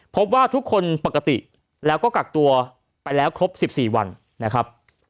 พบว่าทุกคนปกติแล้วก็กักตัวไปแล้วครบ๑๔วันนะครับ